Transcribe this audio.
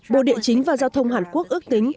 bộ địa chính và giao thông hàn quốc ước tính